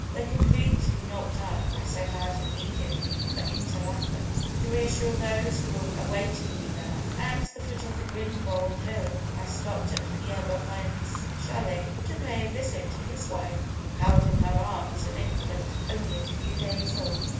Though completely knocked up, I set out immediately for Interlachen, to reassure those who were awaiting me there. At the foot of the Grindelwald hill, I stopped at Pierre Bohren's châlet to pay a visit to his wife, who held in her arms an infant only a few days old.